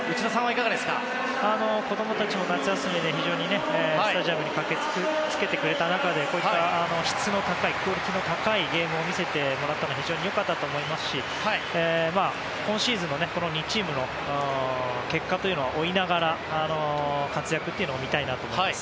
子供たちも夏休みで非常にスタジアムに駆けつけてくれた中でこういった質の高いクオリティーの高いゲームを見せてもらえたのは非常に良かったと思いますし今シーズンのこの２チームの結果というのを追いながら活躍を見たいなと思います。